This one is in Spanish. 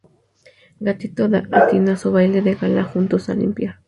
Gatito da a Tina su baile de gala y juntos a limpiar.